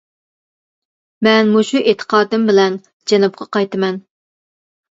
مەن مۇشۇ ئېتىقادىم بىلەن جەنۇبقا قايتىمەن.